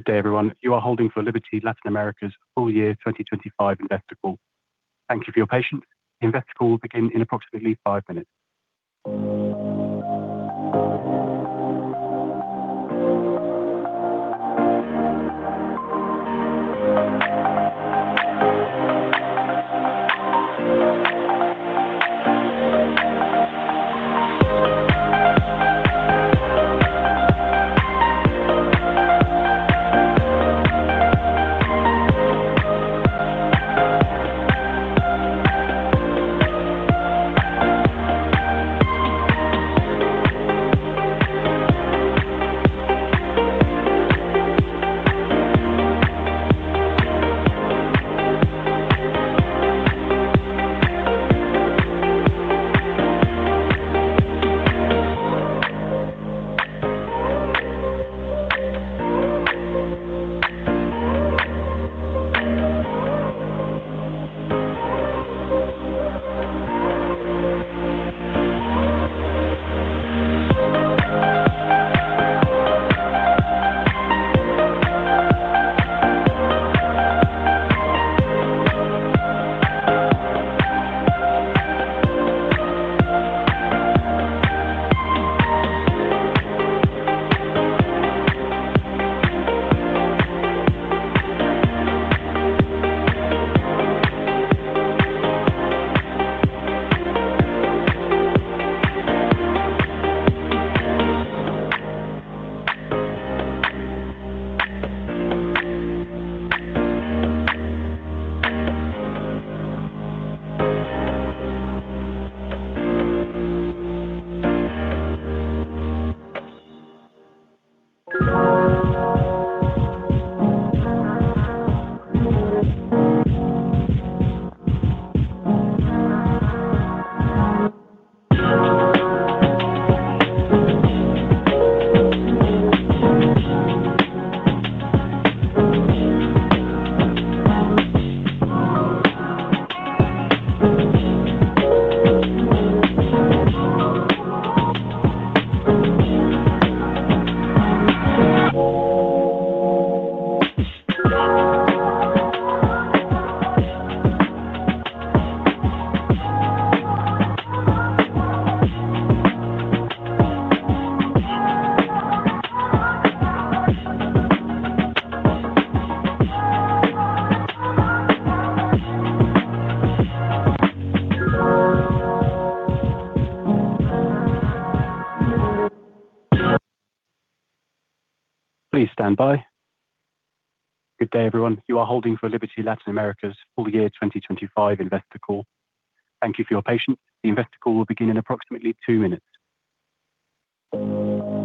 Good day, everyone. You are holding for Liberty Latin America's full year 2025 investor call. Thank you for your patience. The investor call will begin in approximately 5 minutes. Please stand by. Good day, everyone. You are holding for Liberty Latin America's full year 2025 investor call. Thank you for your patience. The investor call will begin in approximately 2 minutes.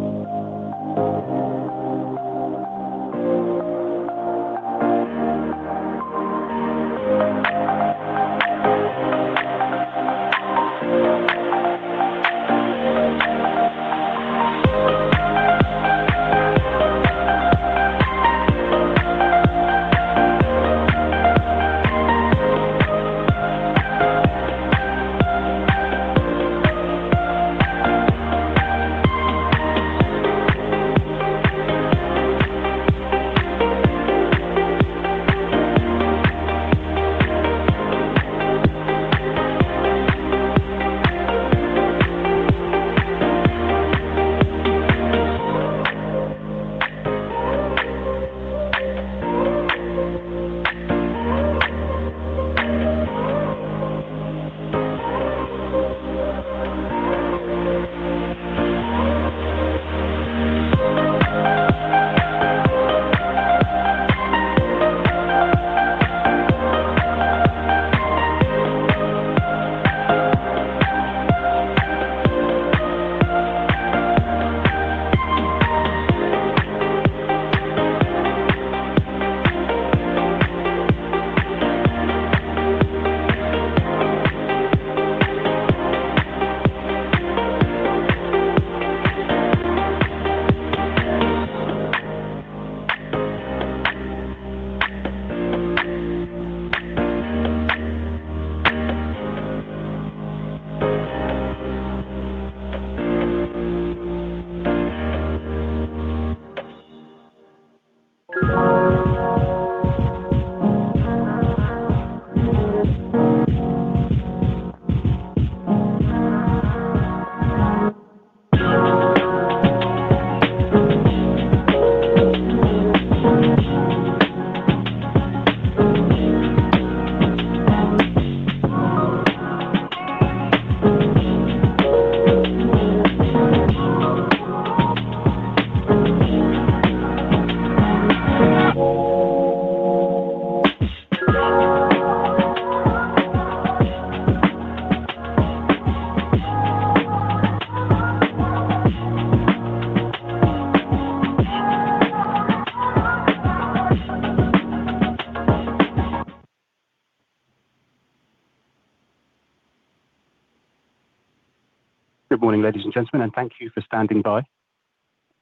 Good morning, ladies and gentlemen, and thank you for standing by.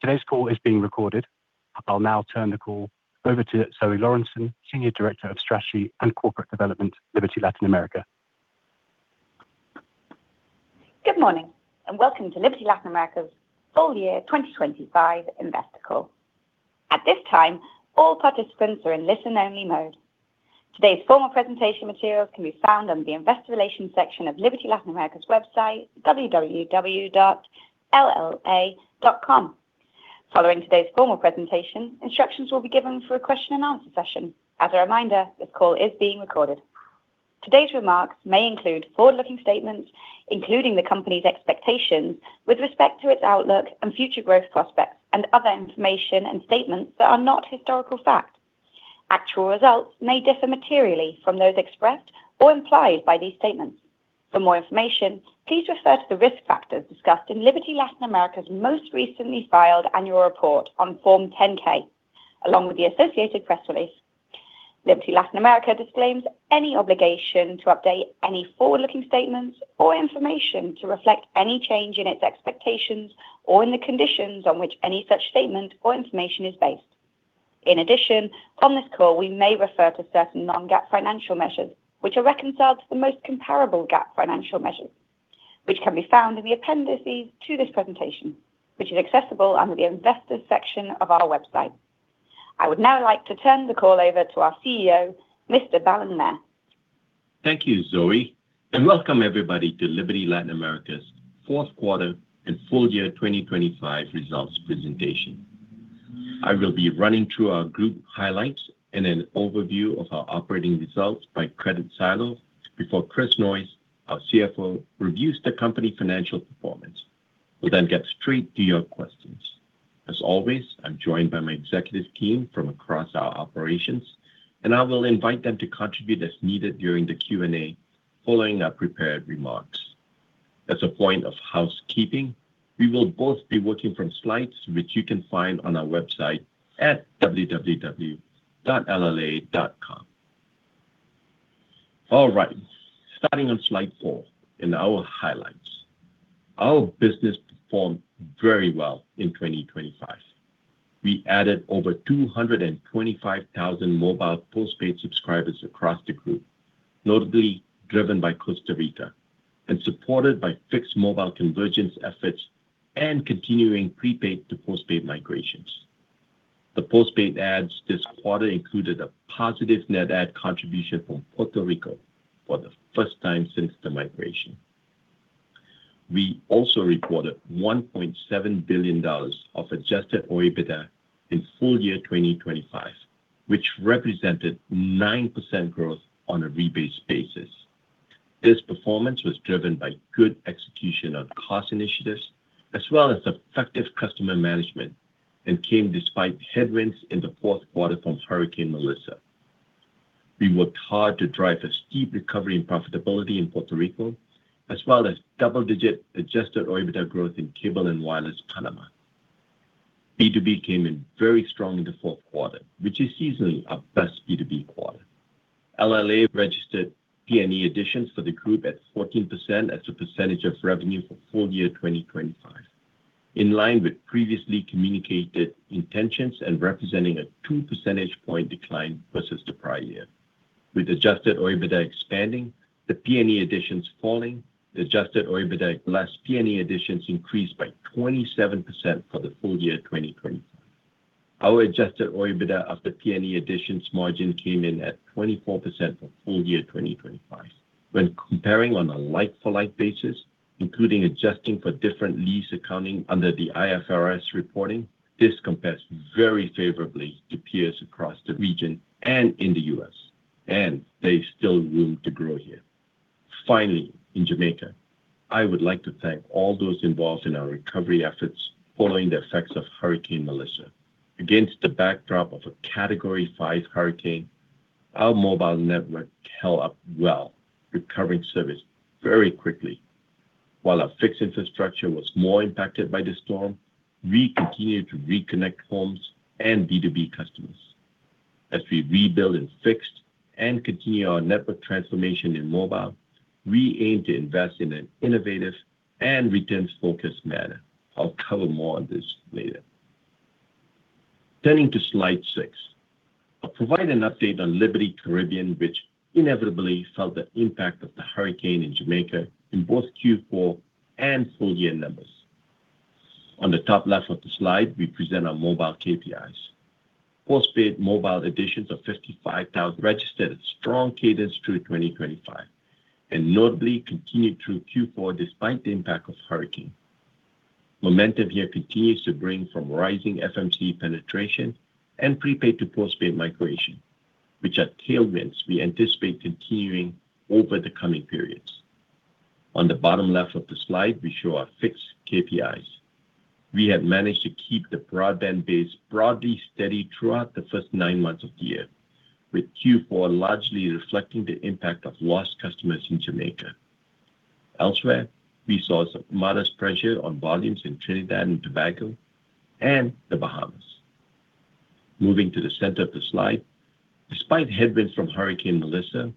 Today's call is being recorded. I'll now turn the call over to Zoë Lawrenson, Senior Director of Strategy and Corporate Development, Liberty Latin America. Good morning, and welcome to Liberty Latin America's full year 2025 investor call. At this time, all participants are in listen-only mode. Today's formal presentation materials can be found on the investor relations section of Liberty Latin America's website, www.lla.com. Following today's formal presentation, instructions will be given for a question and answer session. As a reminder, this call is being recorded. Today's remarks may include forward-looking statements, including the company's expectations with respect to its outlook and future growth prospects, and other information and statements that are not historical fact. Actual results may differ materially from those expressed or implied by these statements. For more information, please refer to the risk factors discussed in Liberty Latin America's most recently filed annual report on Form 10-K, along with the associated press release. Liberty Latin America disclaims any obligation to update any forward-looking statements or information to reflect any change in its expectations or in the conditions on which any such statement or information is based. In addition, on this call, we may refer to certain non-GAAP financial measures, which are reconciled to the most comparable GAAP financial measures, which can be found in the appendices to this presentation, which is accessible under the Investors section of our website. I would now like to turn the call over to our CEO, Mr. Balan Nair. Thank you, Zoë, and welcome everybody to Liberty Latin America's fourth quarter and full year 2025 results presentation. I will be running through our group highlights and an overview of our operating results by segment before Chris Noyes, our CFO, reviews the company financial performance. We'll then get straight to your questions. As always, I'm joined by my executive team from across our operations, and I will invite them to contribute as needed during the Q&A following our prepared remarks. As a point of housekeeping, we will both be working from slides, which you can find on our website at www.lla.com. All right, starting on slide 4, in our highlights. Our business performed very well in 2025. We added over 225,000 mobile postpaid subscribers across the group, notably driven by Costa Rica and supported by fixed mobile convergence efforts and continuing prepaid to postpaid migrations. The postpaid adds this quarter included a positive net add contribution from Puerto Rico for the first time since the migration. We also recorded $1.7 billion of Adjusted OIBDA in full year 2025, which represented 9% growth on a rebased basis. This performance was driven by good execution on cost initiatives, as well as effective customer management, and came despite headwinds in the fourth quarter from Hurricane Melissa. We worked hard to drive a steep recovery in profitability in Puerto Rico, as well as double-digit Adjusted OIBDA growth in Cable & Wireless Panama. B2B came in very strong in the fourth quarter, which is seasonally our best B2B quarter. LLA registered P&E additions for the group at 14% as a percentage of revenue for full year 2025, in line with previously communicated intentions and representing a 2 percentage point decline versus the prior year. With adjusted OIBDA expanding, the P&E additions falling, the adjusted OIBDA less P&E additions increased by 27% for the full year 2025. Our adjusted OIBDA of the P&E additions margin came in at 24% for full year 2025. When comparing on a like for like basis, including adjusting for different lease accounting under the IFRS reporting, this compares very favorably to peers across the region and in the U.S., and there's still room to grow here. Finally, in Jamaica, I would like to thank all those involved in our recovery efforts following the effects of Hurricane Melissa. Against the backdrop of a Category 5 hurricane, our mobile network held up well, recovering service very quickly. While our fixed infrastructure was more impacted by the storm, we continued to reconnect homes and B2B customers. As we rebuild and fixed and continue our network transformation in mobile, we aim to invest in an innovative and returns-focused manner. I'll cover more on this later. Turning to slide 6. I'll provide an update on Liberty Caribbean, which inevitably felt the impact of the hurricane in Jamaica in both Q4 and full year numbers. On the top left of the slide, we present our mobile KPIs. Postpaid mobile additions of 55,000 registered a strong cadence through 2025, and notably continued through Q4 despite the impact of hurricane. Momentum here continues to build from rising FMC penetration and prepaid to postpaid migration, which are tailwinds we anticipate continuing over the coming periods. On the bottom left of the slide, we show our fixed KPIs. We have managed to keep the broadband base broadly steady throughout the first nine months of the year, with Q4 largely reflecting the impact of lost customers in Jamaica. Elsewhere, we saw some modest pressure on volumes in Trinidad and Tobago and the Bahamas. Moving to the center of the slide, despite headwinds from Hurricane Melissa,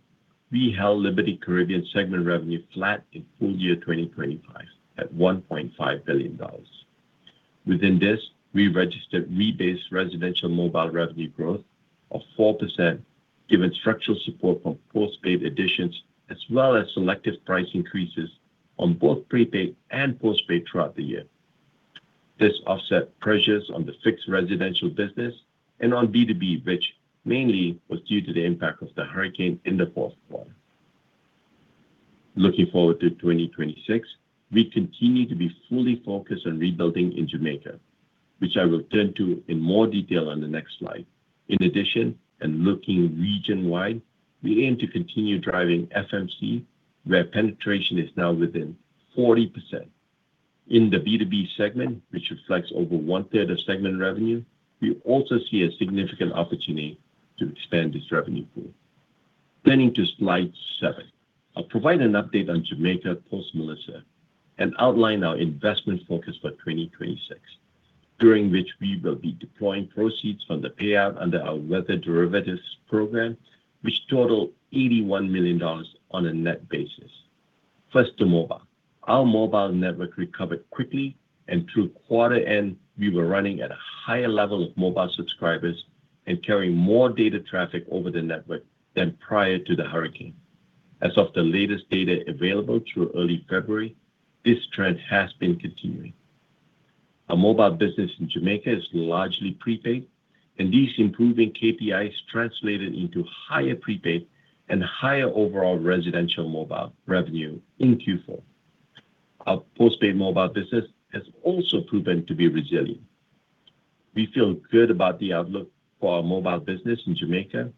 we held Liberty Caribbean segment revenue flat in full year 2025 at $1.5 billion. Within this, we registered rebased residential mobile revenue growth of 4%, given structural support from postpaid additions, as well as selective price increases on both prepaid and postpaid throughout the year. This offset pressures on the fixed residential business and on B2B, which mainly was due to the impact of the hurricane in the fourth quarter. Looking forward to 2026, we continue to be fully focused on rebuilding in Jamaica, which I will turn to in more detail on the next slide. In addition, and looking region-wide, we aim to continue driving FMC, where penetration is now within 40%. In the B2B segment, which reflects over one-third of segment revenue, we also see a significant opportunity to expand this revenue pool. Turning to slide 7. I'll provide an update on Jamaica post-Melissa, and outline our investment focus for 2026, during which we will be deploying proceeds from the payout under our weather derivatives program, which total $81 million on a net basis. First, to mobile. Our mobile network recovered quickly, and through quarter end, we were running at a higher level of mobile subscribers and carrying more data traffic over the network than prior to the hurricane. As of the latest data available through early February, this trend has been continuing. Our mobile business in Jamaica is largely prepaid, and these improving KPIs translated into higher prepaid and higher overall residential mobile revenue in Q4. Our postpaid mobile business has also proven to be resilient. We feel good about the outlook for our mobile business in Jamaica,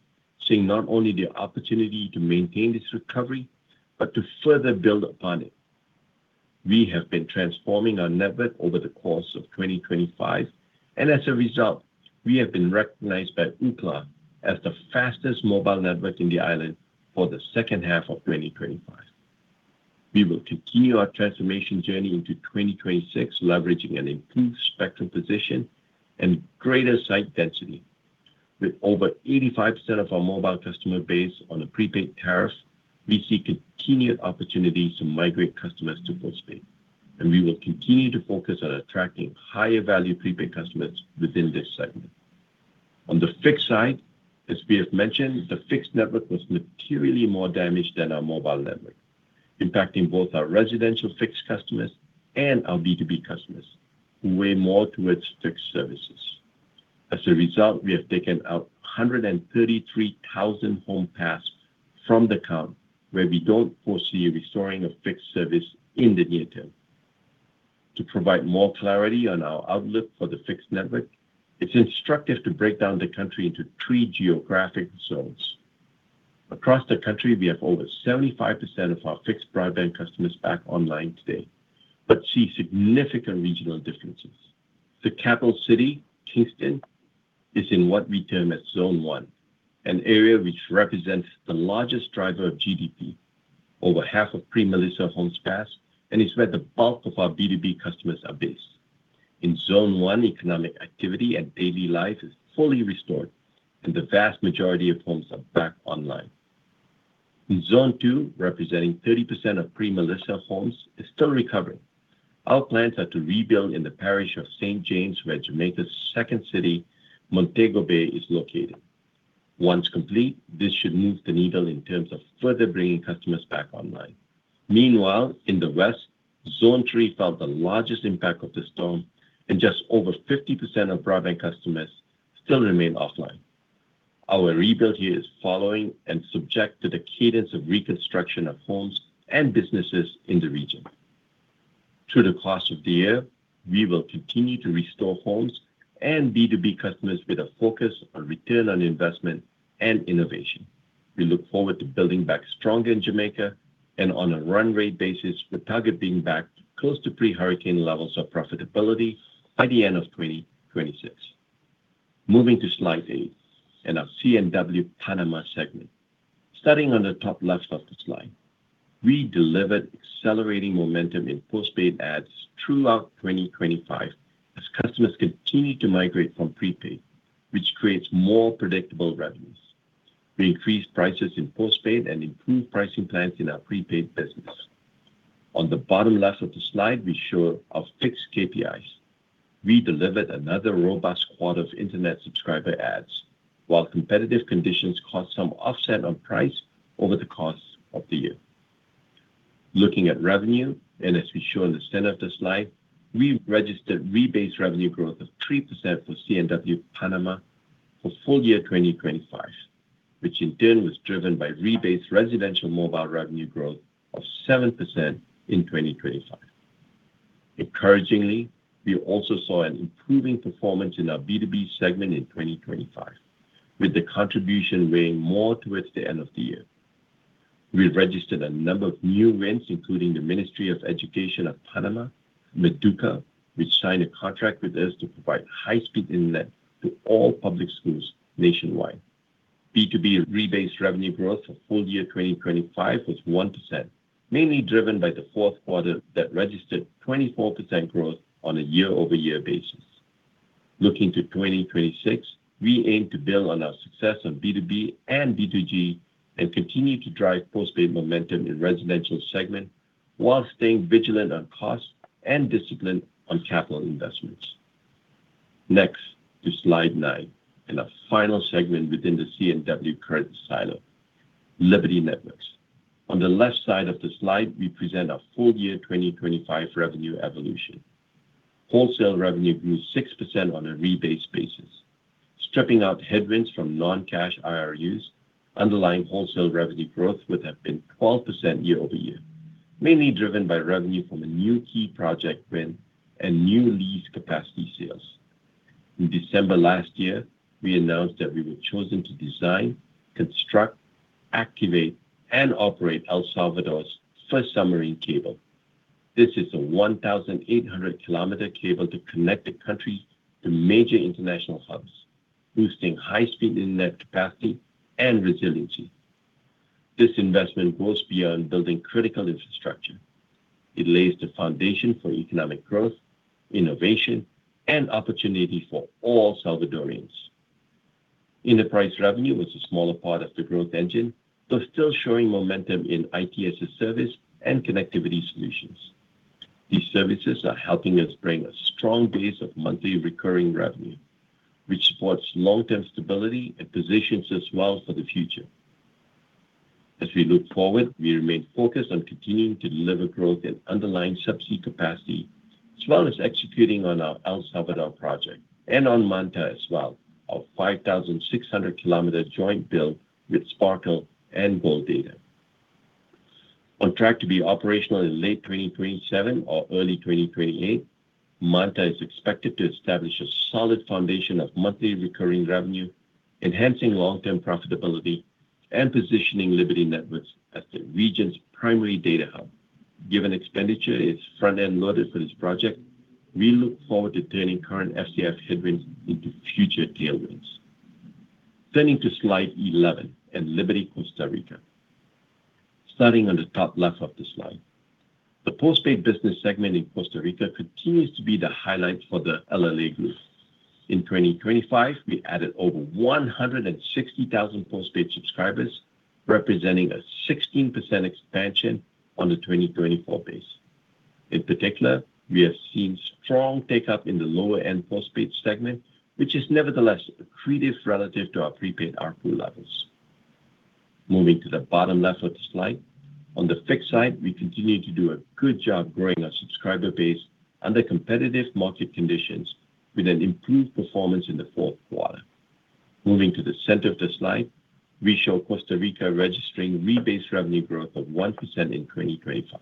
seeing not only the opportunity to maintain this recovery, but to further build upon it. We have been transforming our network over the course of 2025, and as a result, we have been recognized by Ookla as the fastest mobile network in the island for the second half of 2025. We will continue our transformation journey into 2026, leveraging an improved spectrum position and greater site density. With over 85% of our mobile customer base on a prepaid tariff, we see continued opportunities to migrate customers to postpaid, and we will continue to focus on attracting higher-value prepaid customers within this segment. On the fixed side, as we have mentioned, the fixed network was materially more damaged than our mobile network, impacting both our residential fixed customers and our B2B customers, who weigh more towards fixed services. As a result, we have taken out 133,000 home passes from the count, where we don't foresee restoring a fixed service in the near term. To provide more clarity on our outlook for the fixed network, it's instructive to break down the country into three geographic zones. Across the country, we have over 75% of our fixed broadband customers back online today, but see significant regional differences. The capital city, Kingston, is in what we term as Zone One, an area which represents the largest driver of GDP, over half of pre-Melissa homes passed, and it's where the bulk of our B2B customers are based. In Zone One, economic activity and daily life is fully restored, and the vast majority of homes are back online. In Zone Two, representing 30% of pre-Melissa homes, is still recovering. Our plans are to rebuild in the parish of St James, where Jamaica's second city, Montego Bay, is located. Once complete, this should move the needle in terms of further bringing customers back online. Meanwhile, in the West, Zone Three felt the largest impact of the storm, and just over 50% of broadband customers still remain offline. Our rebuild here is following and subject to the cadence of reconstruction of homes and businesses in the region. Through the course of the year, we will continue to restore homes and B2B customers with a focus on return on investment and innovation. We look forward to building back stronger in Jamaica and on a run rate basis, with target being back close to pre-hurricane levels of profitability by the end of 2026. Moving to slide 8 and our C&W Panama segment. Starting on the top left of the slide, we delivered accelerating momentum in postpaid adds throughout 2025 as customers continued to migrate from prepaid, which creates more predictable revenues. We increased prices in postpaid and improved pricing plans in our prepaid business. On the bottom left of the slide, we show our fixed KPIs. We delivered another robust quarter of internet subscriber adds, while competitive conditions caused some offset on price over the course of the year. Looking at revenue, and as we show on the center of the slide, we registered rebased revenue growth of 3% for C&W Panama for full year 2025, which in turn was driven by rebased residential mobile revenue growth of 7% in 2025. Encouragingly, we also saw an improving performance in our B2B segment in 2025, with the contribution weighing more towards the end of the year. We registered a number of new wins, including the Ministry of Education of Panama, MEDUCA, which signed a contract with us to provide high-speed internet to all public schools nationwide. B2B rebased revenue growth for full year 2025 was 1%, mainly driven by the fourth quarter that registered 24% growth on a year-over-year basis. Looking to 2026, we aim to build on our success on B2B and B2G and continue to drive postpaid momentum in residential segment, while staying vigilant on cost and discipline on capital investments. Next, to slide 9 and our final segment within the C&W credit silo, Liberty Networks. On the left side of the slide, we present our full year 2025 revenue evolution. Wholesale revenue grew 6% on a rebased basis. Stripping out headwinds from non-cash IRUs, underlying wholesale revenue growth would have been 12% year-over-year, mainly driven by revenue from a new key project win and new lease capacity sales. In December last year, we announced that we were chosen to design, construct, activate, and operate El Salvador's first submarine cable. This is a 1,800-kilometer cable to connect the country to major international hubs, boosting high-speed internet capacity and resiliency. This investment goes beyond building critical infrastructure. It lays the foundation for economic growth, innovation, and opportunity for all Salvadorans. Enterprise revenue was a smaller part of the growth engine, though still showing momentum in ITSS service and connectivity solutions. These services are helping us bring a strong base of monthly recurring revenue, which supports long-term stability and positions us well for the future. As we look forward, we remain focused on continuing to deliver growth and underlying subsea capacity, as well as executing on our El Salvador project and on Manta as well, our 5,600-kilometer joint build with Sparkle and Gold Data. On track to be operational in late 2027 or early 2028, Manta is expected to establish a solid foundation of monthly recurring revenue, enhancing long-term profitability and positioning Liberty Networks as the region's primary data hub. Given expenditure is front-end loaded for this project, we look forward to turning current FCF headwinds into future tailwinds. Turning to slide 11 and Liberty Costa Rica. Starting on the top left of the slide. The postpaid business segment in Costa Rica continues to be the highlight for the LLA group. In 2025, we added over 160,000 postpaid subscribers, representing a 16% expansion on the 2024 base. In particular, we have seen strong take-up in the lower-end postpaid segment, which is nevertheless accretive relative to our prepaid ARPU levels. Moving to the bottom left of the slide. On the fixed side, we continue to do a good job growing our subscriber base under competitive market conditions with an improved performance in the fourth quarter. Moving to the center of the slide, we show Costa Rica registering rebased revenue growth of 1% in 2025.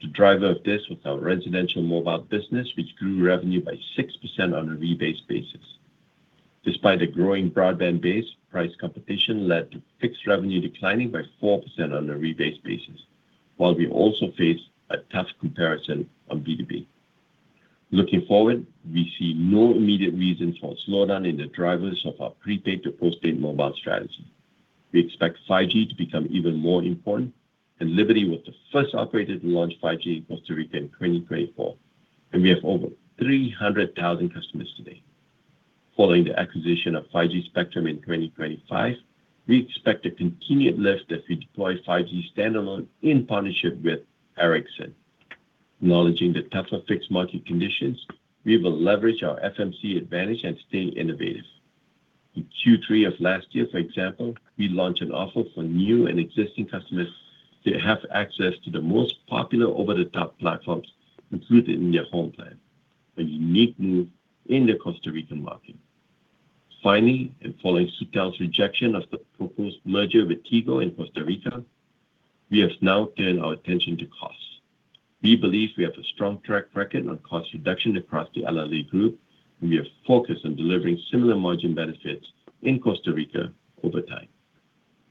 The driver of this was our residential mobile business, which grew revenue by 6% on a rebased basis. Despite the growing broadband base, price competition led to fixed revenue declining by 4% on a rebased basis, while we also faced a tough comparison on B2B. Looking forward, we see no immediate reason for a slowdown in the drivers of our prepaid to postpaid mobile strategy. We expect 5G to become even more important, and Liberty was the first operator to launch 5G in Costa Rica in 2024, and we have over 300,000 customers today. Following the acquisition of 5G Spectrum in 2025, we expect a continued lift as we deploy 5G standalone in partnership with Ericsson. Acknowledging the tougher fixed market conditions, we will leverage our FMC advantage and stay innovative. In Q3 of last year, for example, we launched an offer for new and existing customers to have access to the most popular over-the-top platforms included in their home plan, a unique move in the Costa Rican market. Finally, and following SUTEL's rejection of the proposed merger with Tigo in Costa Rica, we have now turned our attention to costs. We believe we have a strong track record on cost reduction across the LLA group, and we are focused on delivering similar margin benefits in Costa Rica over time.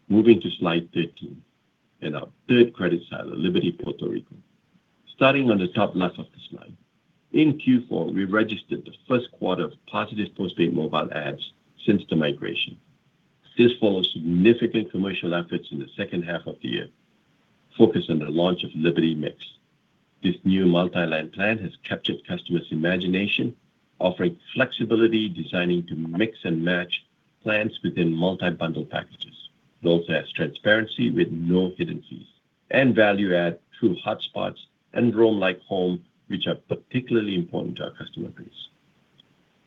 Moving to slide 13 and our third credit silo, Liberty Puerto Rico. Starting on the top left of the slide. In Q4, we registered the first quarter of positive postpaid mobile adds since the migration. This follows significant commercial efforts in the second half of the year, focused on the launch of Liberty Mix. This new multi-line plan has captured customers' imagination, offering flexibility, designing to mix and match plans within multi-bundle packages. It also has transparency with no hidden fees and value add through hotspots and roam like home, which are particularly important to our customer base.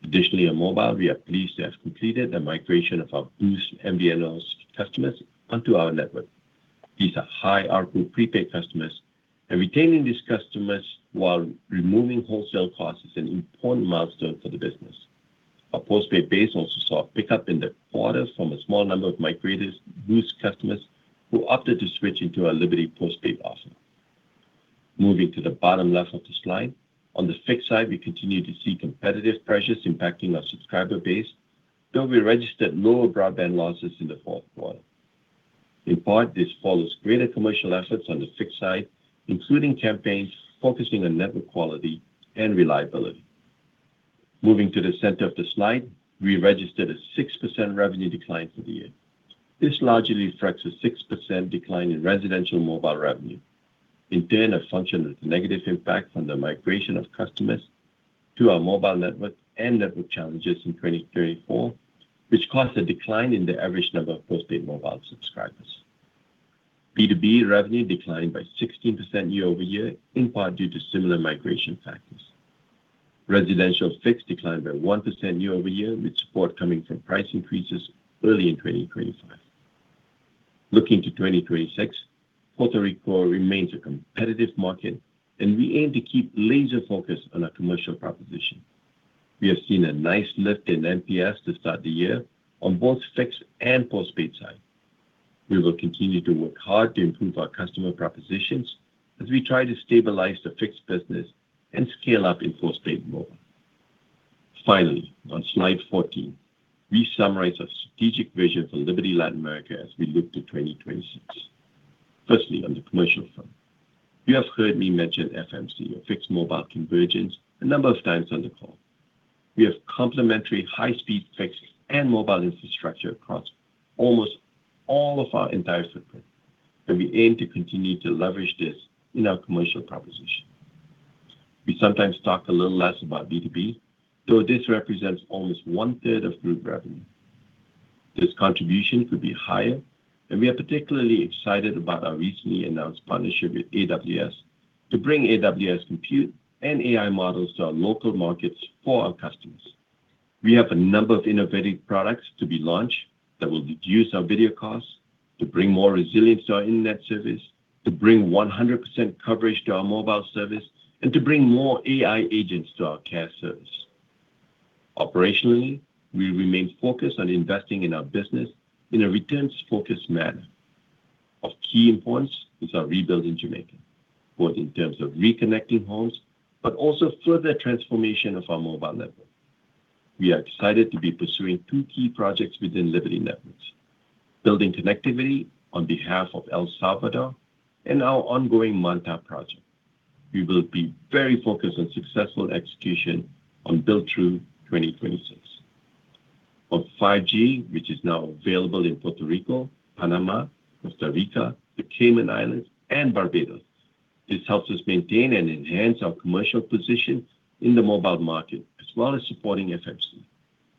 Additionally, on mobile, we are pleased to have completed the migration of our Boost MVNO customers onto our network. These are high ARPU prepaid customers, and retaining these customers while removing wholesale costs is an important milestone for the business. Our postpaid base also saw a pickup in the quarter from a small number of migrated Boost customers who opted to switch into our Liberty postpaid offer. Moving to the bottom left of the slide. On the fixed side, we continue to see competitive pressures impacting our subscriber base, though we registered lower broadband losses in the fourth quarter. In part, this follows greater commercial efforts on the fixed side, including campaigns focusing on network quality and reliability. Moving to the center of the slide, we registered a 6% revenue decline for the year. This largely reflects a 6% decline in residential mobile revenue. in turn, a function of the negative impact from the migration of customers to our mobile network and network challenges in 2024, which caused a decline in the average number of postpaid mobile subscribers. B2B revenue declined by 16% year over year, in part due to similar migration factors. Residential fixed declined by 1% year over year, with support coming from price increases early in 2025. Looking to 2026, Puerto Rico remains a competitive market, and we aim to keep laser focus on our commercial proposition. We have seen a nice lift in NPS to start the year on both fixed and postpaid side. We will continue to work hard to improve our customer propositions as we try to stabilize the fixed business and scale up in postpaid mobile. Finally, on slide 14, we summarize our strategic vision for Liberty Latin America as we look to 2026. Firstly, on the commercial front, you have heard me mention FMC or Fixed Mobile Convergence a number of times on the call. We have complementary high-speed fixed and mobile infrastructure across almost all of our entire footprint, and we aim to continue to leverage this in our commercial proposition. We sometimes talk a little less about B2B, though this represents almost one-third of group revenue. This contribution could be higher, and we are particularly excited about our recently announced partnership with AWS to bring AWS Compute and AI models to our local markets for our customers. We have a number of innovative products to be launched that will reduce our video costs, to bring more resilience to our internet service, to bring 100% coverage to our mobile service, and to bring more AI agents to our care service. Operationally, we remain focused on investing in our business in a returns-focused manner. Of key importance is our rebuild in Jamaica, both in terms of reconnecting homes but also further transformation of our mobile network. We are excited to be pursuing two key projects within Liberty Networks, building connectivity on behalf of El Salvador and our ongoing MANTA project. We will be very focused on successful execution on build through 2026. On 5G, which is now available in Puerto Rico, Panama, Costa Rica, the Cayman Islands, and Barbados. This helps us maintain and enhance our commercial position in the mobile market, as well as supporting FMC.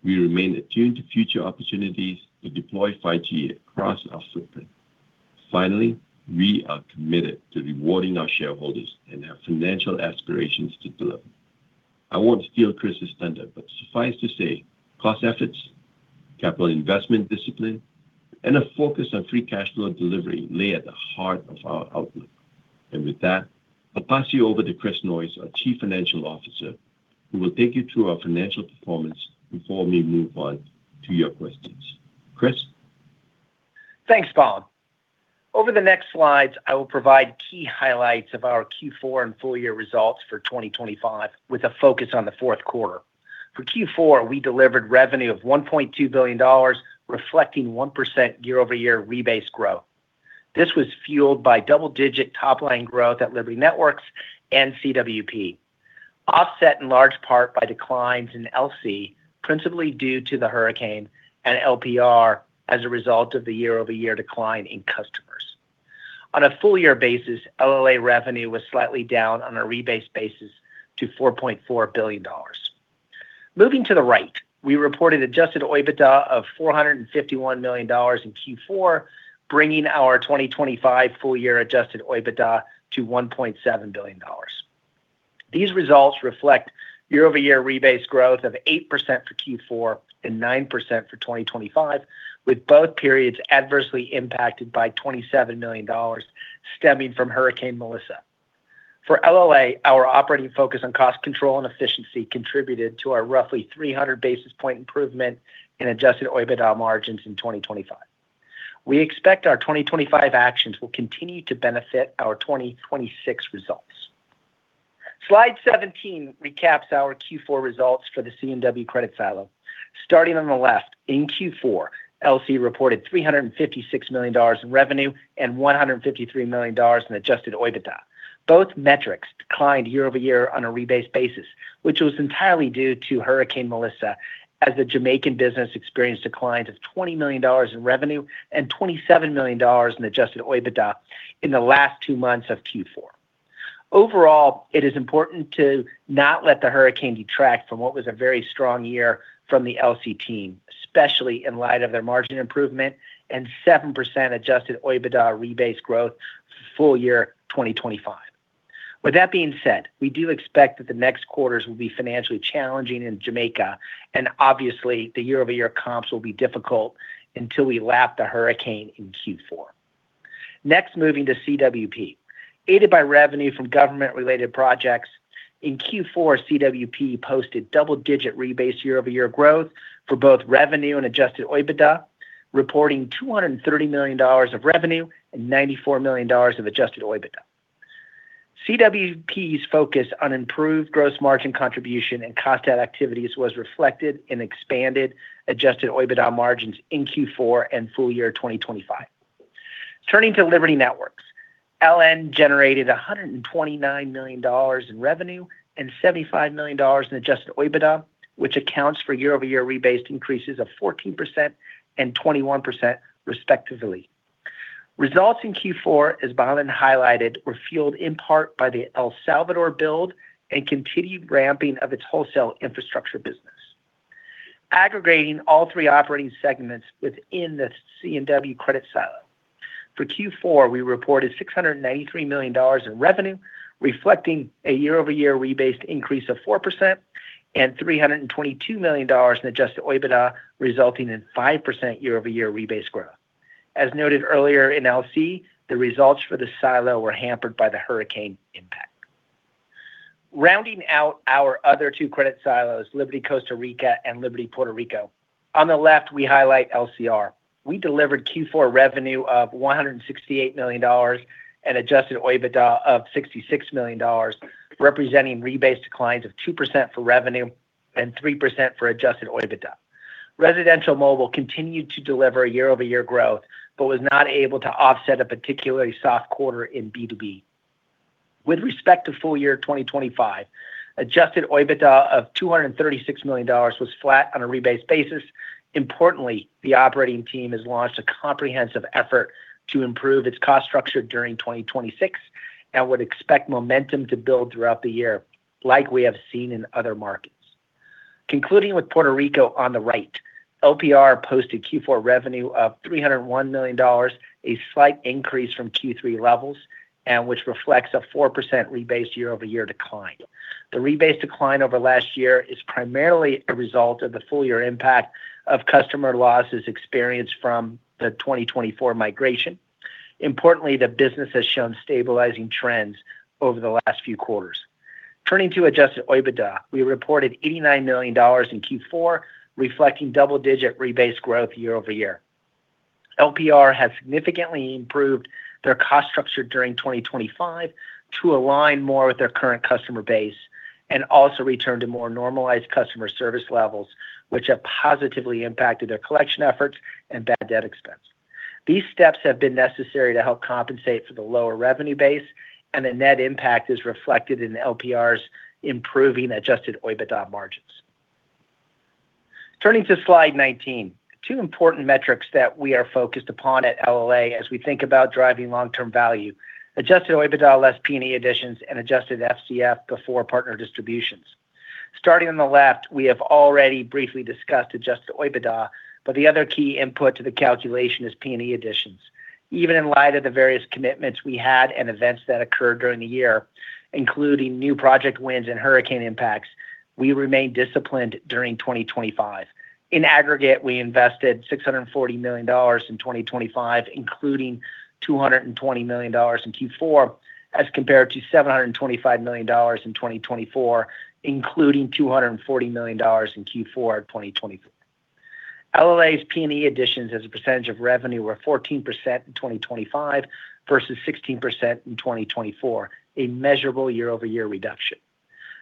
We remain attuned to future opportunities to deploy 5G across our footprint. Finally, we are committed to rewarding our shareholders and our financial aspirations to deliver. I won't steal Chris's thunder, but suffice to say, cost efforts, capital investment discipline, and a focus on free cash flow delivery lay at the heart of our outlook. And with that, I'll pass you over to Chris Noyes, our Chief Financial Officer, who will take you through our financial performance before we move on to your questions. Chris? Thanks, Balan. Over the next slides, I will provide key highlights of our Q4 and full year results for 2025, with a focus on the fourth quarter. For Q4, we delivered revenue of $1.2 billion, reflecting 1% year-over-year rebase growth. This was fueled by double-digit top-line growth at Liberty Networks and CWP, offset in large part by declines in LC, principally due to the hurricane and LPR as a result of the year-over-year decline in customers. On a full year basis, LLA revenue was slightly down on a rebase basis to $4.4 billion. Moving to the right, we reported adjusted OIBDA of $451 million in Q4, bringing our 2025 full year adjusted OIBDA to $1.7 billion. These results reflect year-over-year rebased growth of 8% for Q4 and 9% for 2025, with both periods adversely impacted by $27 million stemming from Hurricane Melissa. For LLA, our operating focus on cost control and efficiency contributed to our roughly 300 basis point improvement in adjusted OIBDA margins in 2025. We expect our 2025 actions will continue to benefit our 2026 results. Slide 17 recaps our Q4 results for the C&W credit silo. Starting on the left, in Q4, LC reported $356 million in revenue and $153 million in adjusted OIBDA. Both metrics declined year over year on a rebased basis, which was entirely due to Hurricane Melissa, as the Jamaican business experienced a decline of $20 million in revenue and $27 million in adjusted OIBDA in the last two months of Q4. Overall, it is important to not let the hurricane detract from what was a very strong year from the LC team, especially in light of their margin improvement and 7% adjusted OIBDA rebased growth full year 2025. With that being said, we do expect that the next quarters will be financially challenging in Jamaica, and obviously, the year-over-year comps will be difficult until we lap the hurricane in Q4. Next, moving to CWP. Aided by revenue from government-related projects, in Q4, CWP posted double-digit rebased year-over-year growth for both revenue and adjusted OIBDA, reporting $230 million of revenue and $94 million of adjusted OIBDA. CWP's focus on improved gross margin contribution and cost out activities was reflected in expanded adjusted OIBDA margins in Q4 and full year 2025. Turning to Liberty Networks, LN generated $129 million in revenue and $75 million in adjusted OIBDA, which accounts for year-over-year rebased increases of 14% and 21%, respectively.... Results in Q4, as Balan highlighted, were fueled in part by the El Salvador build and continued ramping of its wholesale infrastructure business. Aggregating all three operating segments within the C&W credit silo. For Q4, we reported $693 million in revenue, reflecting a year-over-year rebased increase of 4% and $322 million in adjusted OIBDA, resulting in 5% year-over-year rebased growth. As noted earlier in LC, the results for the silo were hampered by the hurricane impact. Rounding out our other two credit silos, Liberty Costa Rica and Liberty Puerto Rico. On the left, we highlight LCR. We delivered Q4 revenue of $168 million and adjusted OIBDA of $66 million, representing rebased declines of 2% for revenue and 3% for adjusted OIBDA. Residential mobile continued to deliver a year-over-year growth, but was not able to offset a particularly soft quarter in B2B. With respect to full year 2025, adjusted OIBDA of $236 million was flat on a rebased basis. Importantly, the operating team has launched a comprehensive effort to improve its cost structure during 2026 and would expect momentum to build throughout the year, like we have seen in other markets. Concluding with Puerto Rico on the right, LPR posted Q4 revenue of $301 million, a slight increase from Q3 levels, and which reflects a 4% rebased year-over-year decline. The rebased decline over last year is primarily a result of the full year impact of customer losses experienced from the 2024 migration. Importantly, the business has shown stabilizing trends over the last few quarters. Turning to Adjusted OIBDA, we reported $89 million in Q4, reflecting double-digit rebased growth year over year. LPR has significantly improved their cost structure during 2025 to align more with their current customer base and also return to more normalized customer service levels, which have positively impacted their collection efforts and bad debt expense. These steps have been necessary to help compensate for the lower revenue base, and the net impact is reflected in the LPR's improving adjusted OIBDA margins. Turning to Slide 19, two important metrics that we are focused upon at LLA as we think about driving long-term value, adjusted OIBDA less P&E additions and adjusted FCF before partner distributions. Starting on the left, we have already briefly discussed adjusted OIBDA, but the other key input to the calculation is P&E additions. Even in light of the various commitments we had and events that occurred during the year, including new project wins and hurricane impacts, we remained disciplined during 2025. In aggregate, we invested $640 million in 2025, including $220 million in Q4, as compared to $725 million in 2024, including $240 million in Q4 2024. LLA's P&E additions as a percentage of revenue were 14% in 2025 versus 16% in 2024, a measurable year-over-year reduction.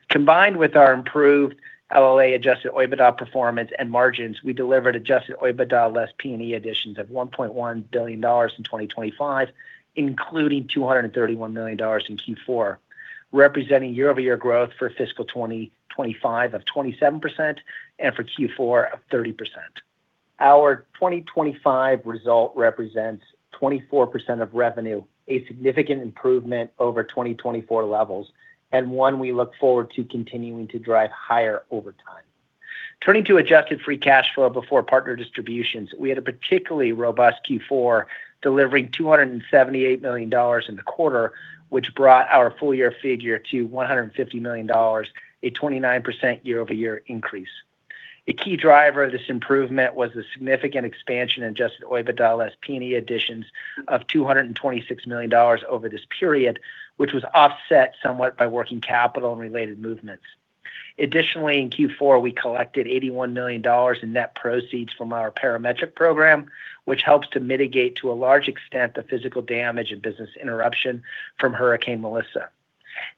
Combined with our improved LLA adjusted OIBDA performance and margins, we delivered adjusted OIBDA less P&E additions of $1.1 billion in 2025, including $231 million in Q4, representing year-over-year growth for fiscal 2025 of 27% and for Q4 of 30%. Our 2025 result represents 24% of revenue, a significant improvement over 2024 levels, and one we look forward to continuing to drive higher over time. Turning to adjusted free cash flow before partner distributions, we had a particularly robust Q4, delivering $278 million in the quarter, which brought our full year figure to $150 million, a 29% year-over-year increase. A key driver of this improvement was a significant expansion in Adjusted OIBDA less P&E additions of $226 million over this period, which was offset somewhat by working capital and related movements. Additionally, in Q4, we collected $81 million in net proceeds from our parametric program, which helps to mitigate, to a large extent, the physical damage and business interruption from Hurricane Melissa.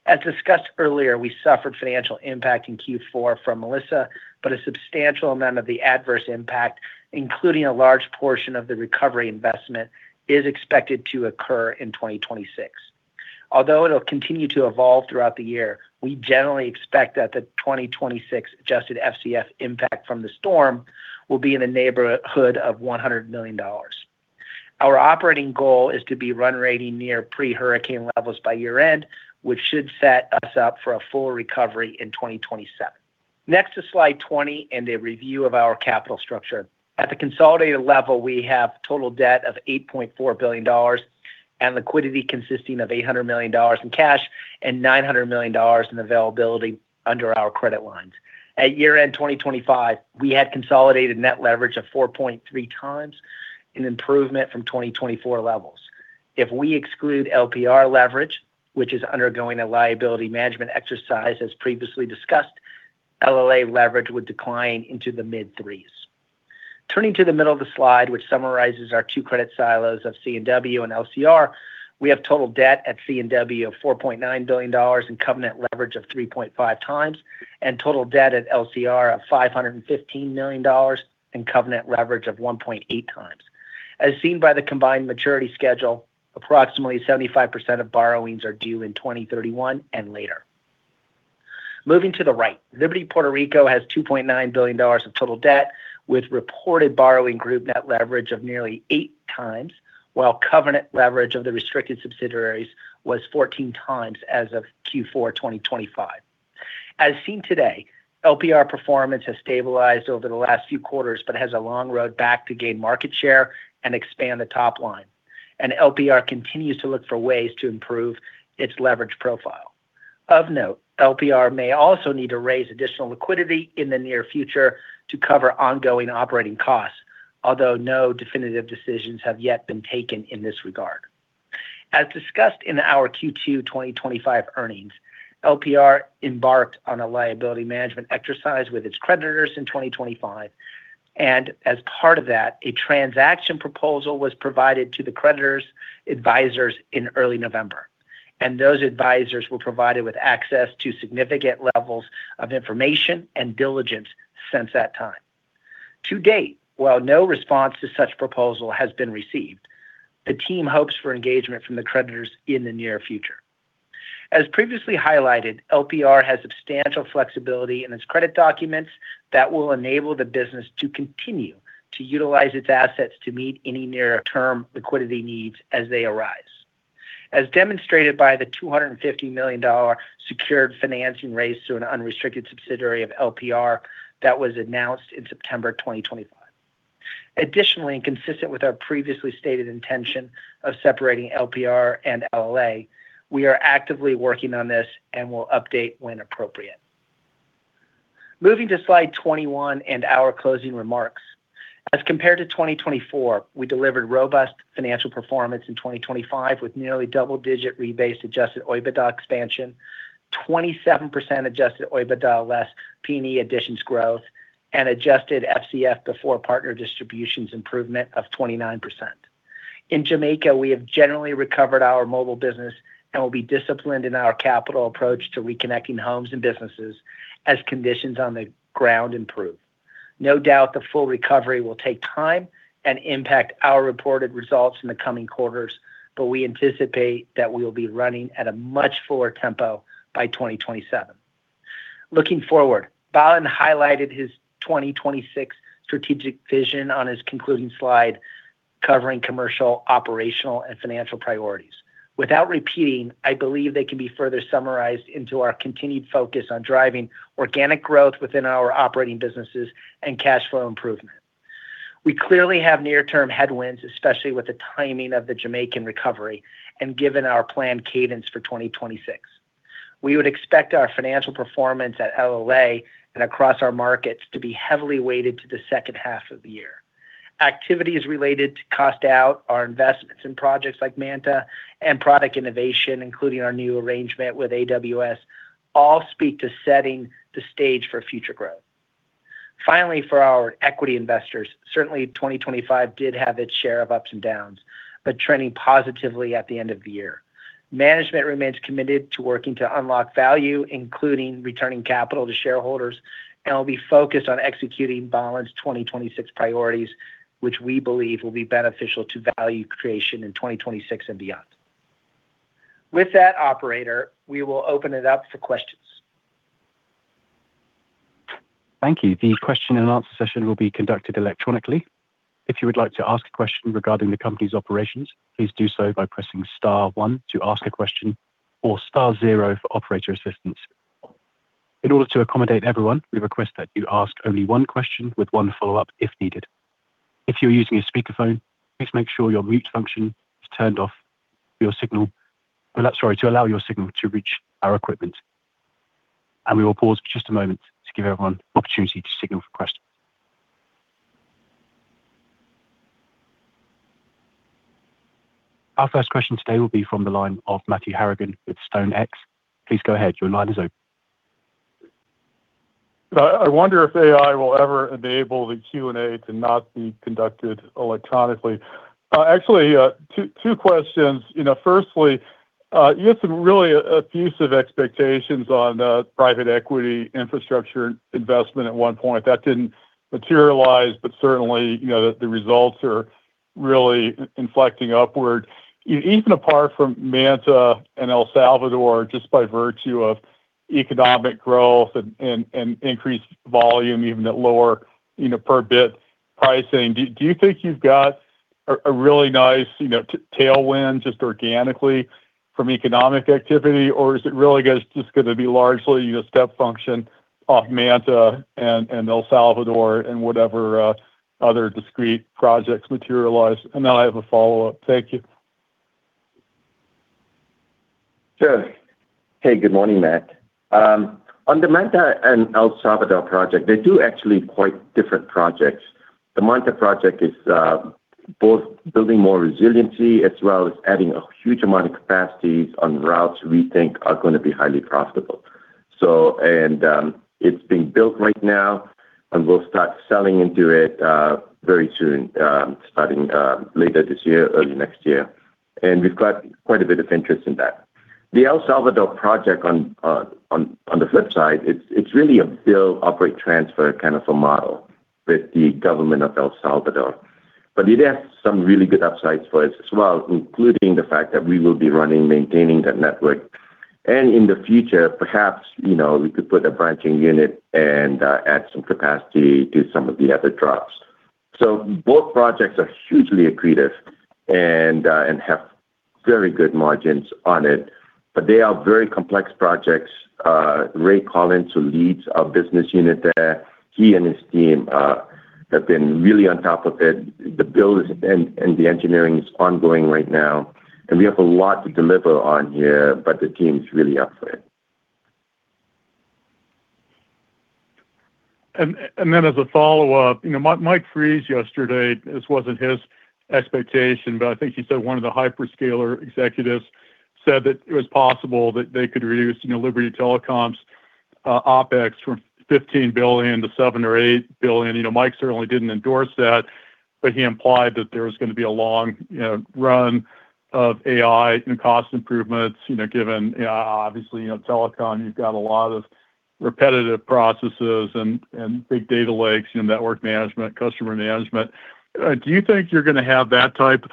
As discussed earlier, we suffered financial impact in Q4 from Melissa, but a substantial amount of the adverse impact, including a large portion of the recovery investment, is expected to occur in 2026. Although it'll continue to evolve throughout the year, we generally expect that the 2026 Adjusted FCF impact from the storm will be in the neighborhood of $100 million. Our operating goal is to be run rating near pre-hurricane levels by year-end, which should set us up for a full recovery in 2027. Next is slide 20 and a review of our capital structure. At the consolidated level, we have total debt of $8.4 billion and liquidity consisting of $800 million in cash and $900 million in availability under our credit lines. At year-end 2025, we had consolidated net leverage of 4.3 times, an improvement from 2024 levels. If we exclude LPR leverage, which is undergoing a liability management exercise, as previously discussed, LLA leverage would decline into the mid threes. Turning to the middle of the slide, which summarizes our two credit silos of C&W and LCR, we have total debt at C&W of $4.9 billion and covenant leverage of 3.5 times, and total debt at LCR of $515 million and covenant leverage of 1.8 times. As seen by the combined maturity schedule, approximately 75% of borrowings are due in 2031 and later. Moving to the right, Liberty Puerto Rico has $2.9 billion of total debt, with reported borrowing group net leverage of nearly 8 times, while covenant leverage of the restricted subsidiaries was 14 times as of Q4 2025. As seen today, LPR performance has stabilized over the last few quarters, but has a long road back to gain market share and expand the top line. LPR continues to look for ways to improve its leverage profile. Of note, LPR may also need to raise additional liquidity in the near future to cover ongoing operating costs, although no definitive decisions have yet been taken in this regard. As discussed in our Q2 2025 earnings, LPR embarked on a liability management exercise with its creditors in 2025, and as part of that, a transaction proposal was provided to the creditors' advisors in early November, and those advisors were provided with access to significant levels of information and diligence since that time. To date, while no response to such proposal has been received, the team hopes for engagement from the creditors in the near future. As previously highlighted, LPR has substantial flexibility in its credit documents that will enable the business to continue to utilize its assets to meet any near term liquidity needs as they arise. As demonstrated by the $250 million secured financing raised to an unrestricted subsidiary of LPR that was announced in September 2025. Additionally, and consistent with our previously stated intention of separating LPR and LLA, we are actively working on this and will update when appropriate. Moving to slide 21 and our closing remarks. As compared to 2024, we delivered robust financial performance in 2025, with nearly double-digit rebased Adjusted OIBDA expansion, 27% Adjusted OIBDA less P&E additions growth, and Adjusted FCF before partner distributions improvement of 29%. In Jamaica, we have generally recovered our mobile business and will be disciplined in our capital approach to reconnecting homes and businesses as conditions on the ground improve. No doubt the full recovery will take time and impact our reported results in the coming quarters, but we anticipate that we will be running at a much fuller tempo by 2027. Looking forward, Balan highlighted his 2026 strategic vision on his concluding slide, covering commercial, operational, and financial priorities. Without repeating, I believe they can be further summarized into our continued focus on driving organic growth within our operating businesses and cash flow improvement. We clearly have near-term headwinds, especially with the timing of the Jamaican recovery and given our planned cadence for 2026. We would expect our financial performance at LLA and across our markets to be heavily weighted to the second half of the year. Activities related to cost out our investments in projects like MANTA and product innovation, including our new arrangement with AWS, all speak to setting the stage for future growth. Finally, for our equity investors, certainly 2025 did have its share of ups and downs, but trending positively at the end of the year. Management remains committed to working to unlock value, including returning capital to shareholders, and will be focused on executing Balan's 2026 priorities, which we believe will be beneficial to value creation in 2026 and beyond. With that, operator, we will open it up for questions. Thank you. The question and answer session will be conducted electronically. If you would like to ask a question regarding the company's operations, please do so by pressing star one to ask a question or star zero for operator assistance. In order to accommodate everyone, we request that you ask only one question with one follow-up, if needed. If you're using a speakerphone, please make sure your mute function is turned off your signal... Well, sorry, to allow your signal to reach our equipment. We will pause for just a moment to give everyone opportunity to signal for questions. Our first question today will be from the line of Matthew Harrigan with StoneX. Please go ahead. Your line is open. I wonder if AI will ever enable the Q&A to not be conducted electronically. Actually, 2, 2 questions. You know, firstly, you had some really effusive expectations on private equity infrastructure investment at one point. That didn't materialize, but certainly, you know, the, the results are really inflecting upward. Even apart from Manta and El Salvador, just by virtue of economic growth and, and, and increased volume, even at lower, you know, per bit pricing, do, do you think you've got a, a really nice, you know, tailwind just organically from economic activity, or is it really just, just gonna be largely a step function off Manta and El Salvador and whatever, other discrete projects materialize? And then I have a follow-up. Thank you. Sure. Hey, good morning, Matt. On the MANTA and El Salvador project, they do actually quite different projects. The MANTA project is both building more resiliency as well as adding a huge amount of capacities on routes we think are gonna be highly profitable. So, it's being built right now, and we'll start selling into it very soon, starting later this year, early next year. And we've got quite a bit of interest in that. The El Salvador project on the flip side, it's really a build-operate-transfer kind of a model with the government of El Salvador... but it has some really good upsides for us as well, including the fact that we will be running, maintaining that network. And in the future, perhaps, you know, we could put a branching unit and, add some capacity to some of the other drops. So both projects are hugely accretive and, and have very good margins on it, but they are very complex projects. Ray Collins, who leads our business unit there, he and his team, have been really on top of it. The build is and, and the engineering is ongoing right now, and we have a lot to deliver on here, but the team is really up for it. Then as a follow-up, you know, Mike, Mike Fries yesterday, this wasn't his expectation, but I think he said one of the hyperscaler executives said that it was possible that they could reduce, you know, Liberty Telecom's OpEx from $15 billion to $7 billion or $8 billion. You know, Mike certainly didn't endorse that, but he implied that there was gonna be a long, you know, run of AI and cost improvements, you know, given, obviously, you know, telecom, you've got a lot of repetitive processes and big data lakes, you know, network management, customer management. Do you think you're gonna have that type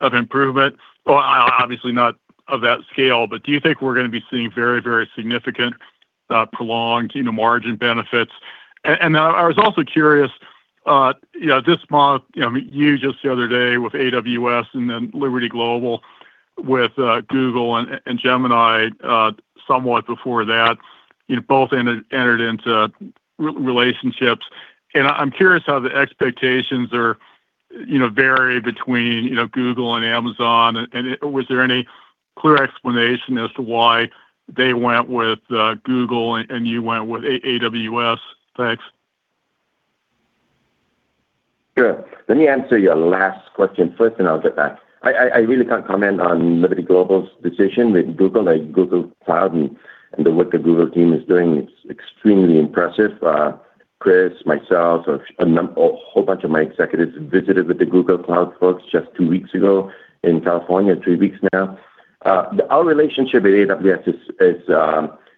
of improvement? Well, obviously not of that scale, but do you think we're gonna be seeing very, very significant, prolonged, you know, margin benefits? And I was also curious, you know, this month, you know, you just the other day with AWS and then Liberty Global with Google and Gemini, somewhat before that, you know, both entered into relationships. And I'm curious how the expectations are, you know, vary between, you know, Google and Amazon, and was there any clear explanation as to why they went with Google and you went with AWS? Thanks. Sure. Let me answer your last question first, and I'll get back. I really can't comment on Liberty Global's decision with Google, like Google Cloud and the work the Google team is doing, it's extremely impressive. Chris, myself, or a whole bunch of my executives visited with the Google Cloud folks just two weeks ago in California, three weeks now. Our relationship with AWS is,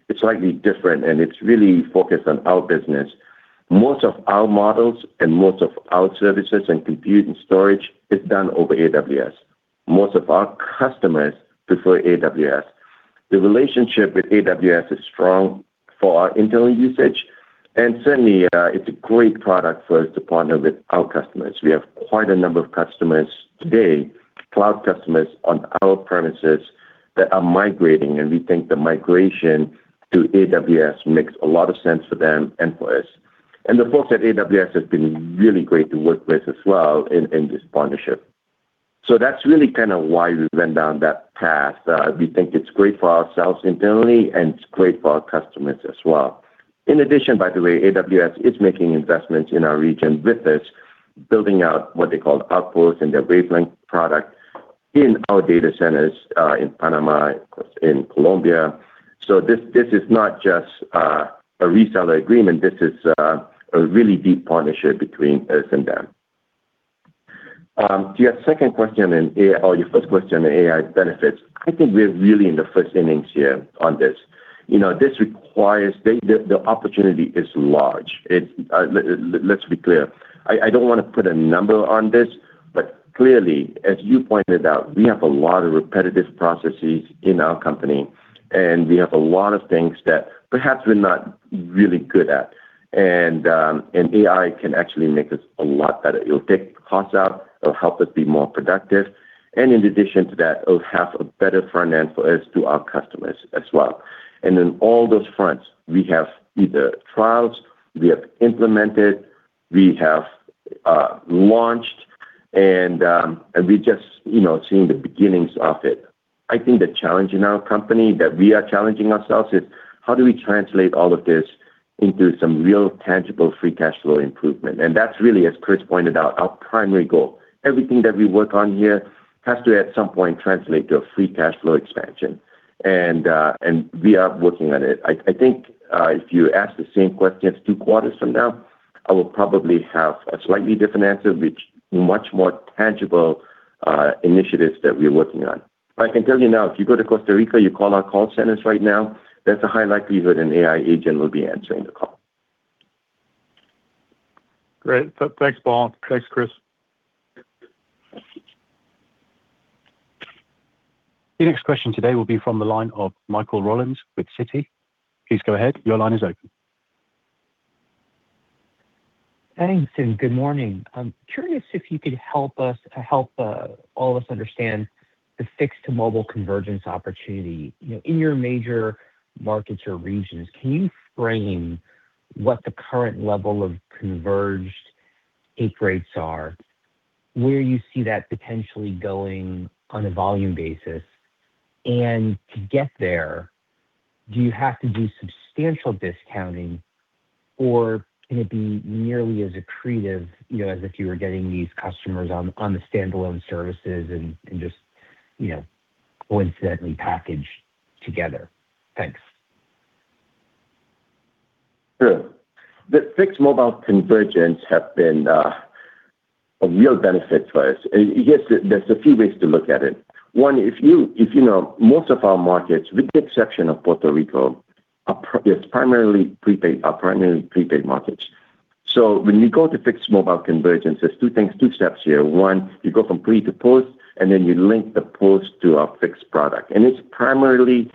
it's slightly different, and it's really focused on our business. Most of our models and most of our services and compute and storage is done over AWS. Most of our customers prefer AWS. The relationship with AWS is strong for our internal usage, and certainly, it's a great product for us to partner with our customers. We have quite a number of customers today, cloud customers on our premises that are migrating, and we think the migration to AWS makes a lot of sense for them and for us. And the folks at AWS have been really great to work with as well in this partnership. So that's really kind of why we went down that path. We think it's great for ourselves internally, and it's great for our customers as well. In addition, by the way, AWS is making investments in our region with us, building out what they call Outposts and their Wavelength product in our data centers in Panama, in Colombia. So this is not just a reseller agreement; this is a really deep partnership between us and them. To your second question in AI, or your first question on AI benefits, I think we're really in the first innings here on this. You know, this requires... The opportunity is large. Let's be clear, I don't want to put a number on this, but clearly, as you pointed out, we have a lot of repetitive processes in our company, and we have a lot of things that perhaps we're not really good at. And AI can actually make us a lot better. It'll take costs out, it'll help us be more productive, and in addition to that, it'll have a better front end for us to our customers as well. And in all those fronts, we have either trials we have implemented, we have launched, and we just, you know, seeing the beginnings of it. I think the challenge in our company, that we are challenging ourselves is, how do we translate all of this into some real, tangible, free cash flow improvement? And that's really, as Chris pointed out, our primary goal. Everything that we work on here has to, at some point, translate to a free cash flow expansion, and, and we are working on it. I, I think, if you ask the same questions 2 quarters from now, I will probably have a slightly different answer, which much more tangible, initiatives that we're working on. I can tell you now, if you go to Costa Rica, you call our call centers right now, there's a high likelihood an AI agent will be answering the call. Great. Thanks, Balan. Thanks, Chris. The next question today will be from the line of Michael Rollins with Citi. Please go ahead. Your line is open. Thanks, and good morning. I'm curious if you could help us, help, all of us understand the fixed to mobile convergence opportunity. You know, in your major markets or regions, can you frame what the current level of converged take rates are, where you see that potentially going on a volume basis? And to get there, do you have to do substantial discounting, or can it be nearly as accretive, you know, as if you were getting these customers on, on the standalone services and, and just, you know, coincidentally packaged together? Thanks. Sure. The fixed mobile convergence have been a real benefit for us. Yes, there's a few ways to look at it. One, if you know most of our markets, with the exception of Puerto Rico. It's primarily prepaid, our primary prepaid markets. So when you go to fixed mobile convergence, there's two things, two steps here. One, you go from pre to post, and then you link the post to our fixed product. And it's primarily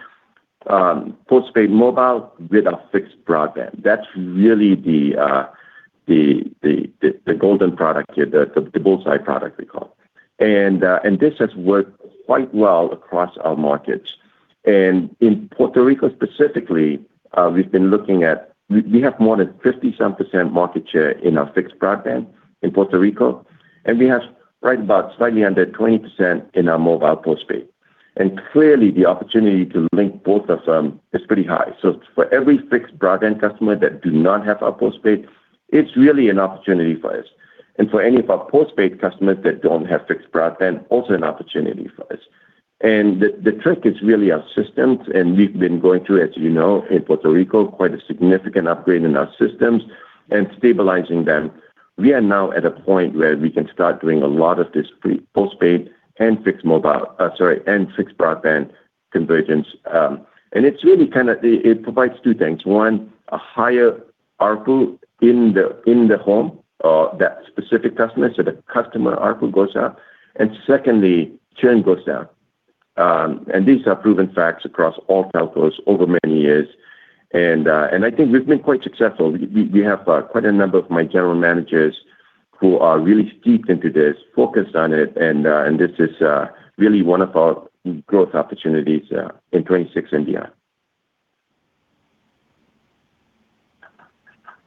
postpaid mobile with our fixed broadband. That's really the golden product here, the bull's-eye product, we call it. And this has worked quite well across our markets. In Puerto Rico specifically, we have more than 50-some% market share in our fixed broadband in Puerto Rico, and we have right about slightly under 20% in our mobile postpaid. Clearly, the opportunity to link both of them is pretty high. So for every fixed broadband customer that do not have a postpaid, it's really an opportunity for us, and for any of our postpaid customers that don't have fixed broadband, also an opportunity for us. The trick is really our systems, and we've been going through, as you know, in Puerto Rico, quite a significant upgrade in our systems and stabilizing them. We are now at a point where we can start doing a lot of this postpaid and fixed mobile and fixed broadband convergence. And it's really kinda it provides two things: one, a higher ARPU in the home for that specific customer, so the customer ARPU goes up, and secondly, churn goes down. And these are proven facts across all telcos over many years, and I think we've been quite successful. We have quite a number of my general managers who are really steeped into this, focused on it, and this is really one of our growth opportunities in 2026 and beyond.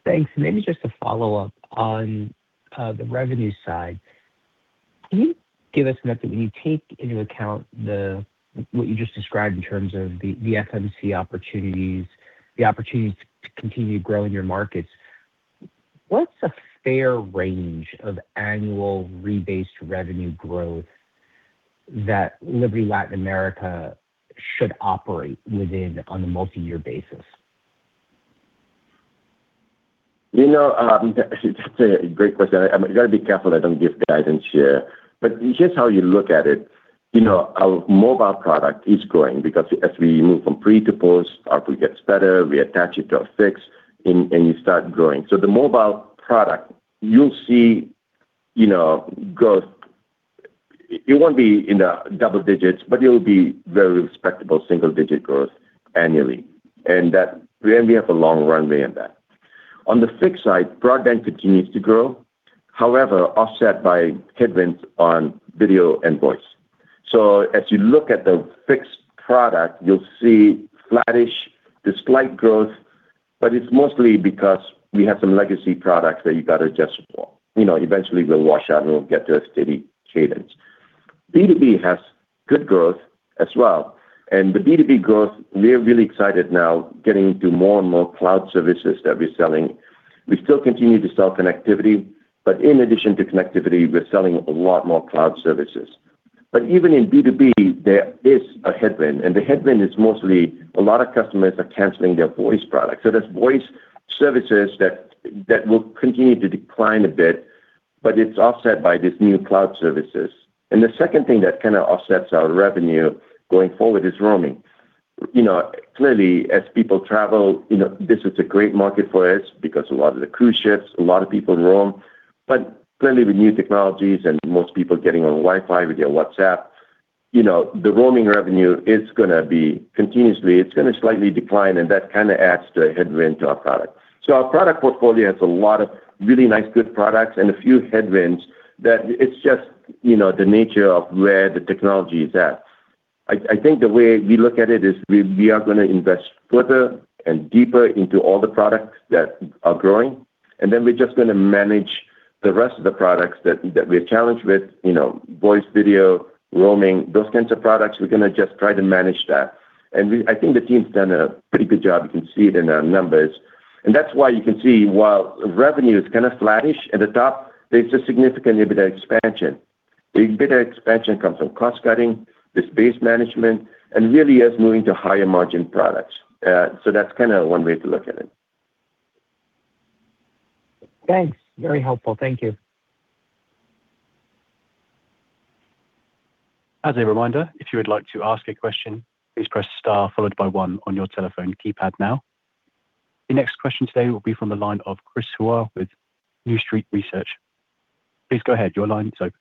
Thanks. Maybe just a follow-up on the revenue side. Can you give us an update, when you take into account the what you just described in terms of the FMC opportunities, the opportunities to continue growing your markets, what's a fair range of annual rebased revenue growth that Liberty Latin America should operate within on a multi-year basis? You know, that's a great question. I gotta be careful I don't give guidance here, but here's how you look at it. You know, our mobile product is growing because as we move from pre to post, ARPU gets better, we attach it to a fixed, and, and you start growing. So the mobile product, you'll see, you know, growth. It won't be in the double digits, but it'll be very respectable single-digit growth annually, and that... And we have a long runway in that. On the fixed side, broadband continues to grow, however, offset by headwinds on video and voice. So as you look at the fixed product, you'll see flattish, just slight growth, but it's mostly because we have some legacy products that you gotta just support. You know, eventually will wash out and we'll get to a steady cadence. B2B has good growth as well, and the B2B growth, we're really excited now getting into more and more cloud services that we're selling. We still continue to sell connectivity, but in addition to connectivity, we're selling a lot more cloud services. But even in B2B, there is a headwind, and the headwind is mostly a lot of customers are canceling their voice products. So there's voice services that will continue to decline a bit, but it's offset by this new cloud services. And the second thing that kinda offsets our revenue going forward is roaming. You know, clearly, as people travel, you know, this is a great market for us because a lot of the cruise ships, a lot of people roam, but clearly with new technologies and most people getting on Wi-Fi with their WhatsApp, you know, the roaming revenue is gonna be continuously—it's gonna slightly decline, and that kinda adds to a headwind to our product. So our product portfolio has a lot of really nice, good products and a few headwinds that it's just, you know, the nature of where the technology is at. I, I think the way we look at it is we, we are gonna invest further and deeper into all the products that are growing, and then we're just gonna manage the rest of the products that, that we're challenged with, you know, voice, video, roaming, those kinds of products, we're gonna just try to manage that. I think the team's done a pretty good job. You can see it in our numbers. That's why you can see while revenue is kinda flattish at the top, there's a significant EBITDA expansion. The EBITDA expansion comes from cost cutting, this base management, and really us moving to higher margin products. So that's kinda one way to look at it. Thanks. Very helpful. Thank you. As a reminder, if you would like to ask a question, please press star followed by one on your telephone keypad now. The next question today will be from the line of Chris Hoare with New Street Research. Please go ahead. Your line is open.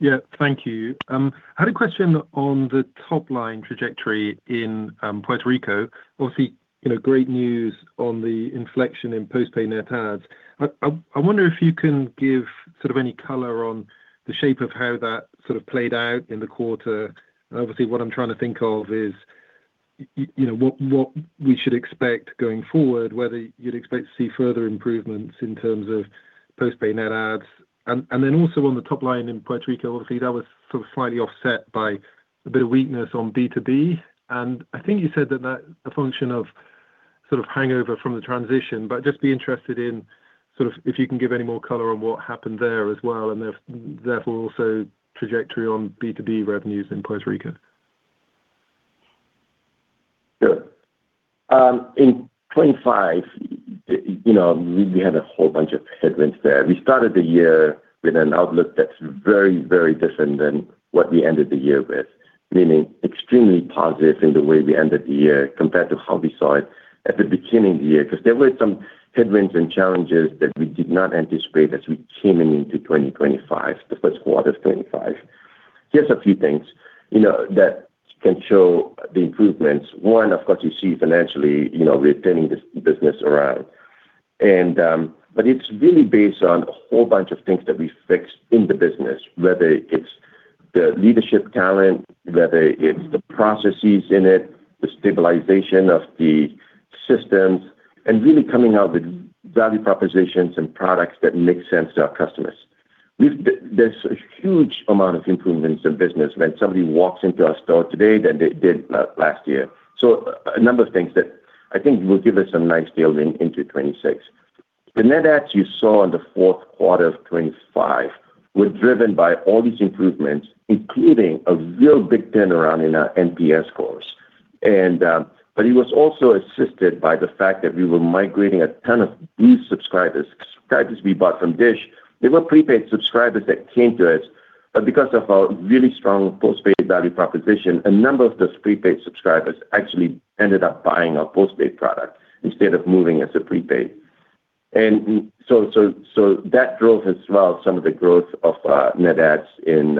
Yeah, thank you. I had a question on the top-line trajectory in Puerto Rico. Obviously, you know, great news on the inflection in postpaid net adds. I wonder if you can give sort of any color on the shape of how that sort of played out in the quarter. Obviously, what I'm trying to think of is, you know, what we should expect going forward, whether you'd expect to see further improvements in terms of postpaid net adds. And then also on the top line in Puerto Rico, obviously, that was sort of slightly offset by a bit of weakness on B2B. I think you said that a function of sort of hangover from the transition, but just be interested in sort of if you can give any more color on what happened there as well, and therefore, also trajectory on B2B revenues in Puerto Rico. Sure. In 2025, you know, we had a whole bunch of headwinds there. We started the year with an outlook that's very, very different than what we ended the year with, meaning extremely positive in the way we ended the year compared to how we saw it at the beginning of the year. Because there were some headwinds and challenges that we did not anticipate as we came into 2025, the first quarter of 2025. Here's a few things, you know, that can show the improvements. One, of course, you see financially, you know, we are turning this business around. But it's really based on a whole bunch of things that we fixed in the business, whether it's the leadership talent, whether it's the processes in it, the stabilization of the systems, and really coming out with value propositions and products that make sense to our customers. There's a huge amount of improvements in business when somebody walks into our store today than they did last year. So a number of things that I think will give us a nice tailwind into 2026. The net adds you saw in the fourth quarter of 2025 were driven by all these improvements, including a real big turnaround in our NPS scores. But it was also assisted by the fact that we were migrating a ton of new subscribers, subscribers we bought from Dish. They were prepaid subscribers that came to us, but because of our really strong postpaid value proposition, a number of those prepaid subscribers actually ended up buying a postpaid product instead of moving as a prepaid. And so, so, so that drove as well, some of the growth of net adds in